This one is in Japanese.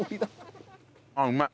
あっうまい！